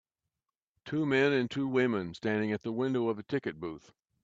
Two men and two women standing at the window of a ticket booth.